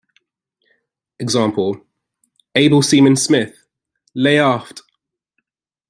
Example: "Able Seaman Smith; lay aft!".